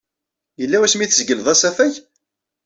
Yella wasmi ay tzegleḍ asafag?